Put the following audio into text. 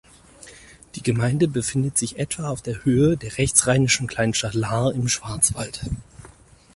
Die Gemeinde befindet sich etwa auf der Höhe der rechtsrheinischen Kleinstadt Lahr im Schwarzwald.